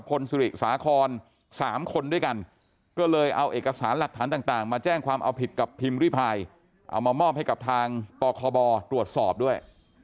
พลสุริสาคร๓คนด้วยกันก็เลยเอาเอกสารหลักฐานต่างมาแจ้งความเอาผิดกับพิมพ์ริพายเอามามอบให้กับทางปคบตรวจสอบด้วย